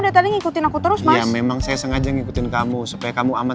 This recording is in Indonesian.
detail ngikutin aku terus ya memang saya sengaja ngikutin kamu supaya kamu aman